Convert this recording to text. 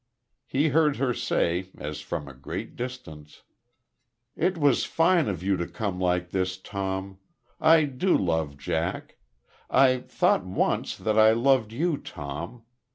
He heard her say, as from a great distance: "It was fine of you to come like this, Tom.... I do love Jack; I thought once, that I loved you, Tom....